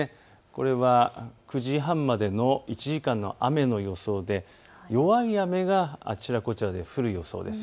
これは９時半までの１時間の雨の予想で弱い雨があちらこちらで降る予想です。